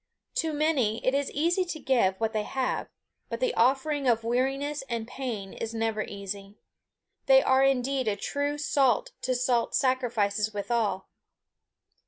To many it is easy to give what they have, but the offering of weariness and pain is never easy. They are indeed a true salt to salt sacrifices withal.